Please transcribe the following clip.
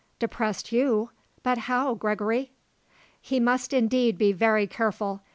"Depressed you? But how, Gregory?" He must indeed be very careful.